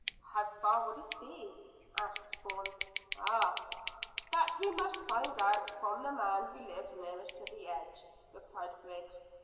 "How far would it be?" asked Bourne. "Ah, that we must find out from the man who lives nearest to the edge," replied Griggs.